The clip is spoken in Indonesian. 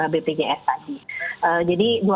bpjs tadi jadi